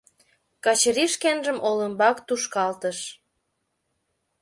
— Качыри шкенжым олымбак тушкалтыш.